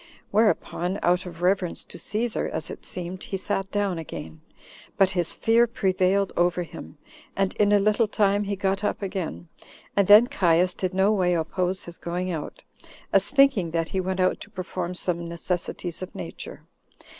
Whereupon, out of reverence to Cæsar, as it seemed, he sat down again; but his fear prevailed over him, and in a little time he got up again, and then Caius did no way oppose his going out, as thinking that he went out to perform some necessities of nature.